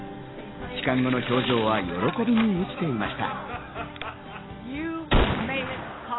帰還後の表情は喜びに満ちていました。